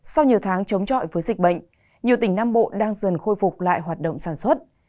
sau nhiều tháng chống trọi với dịch bệnh nhiều tỉnh nam bộ đang dần khôi phục lại hoạt động sản xuất